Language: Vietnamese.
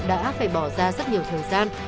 đã phải bỏ ra rất nhiều thời gian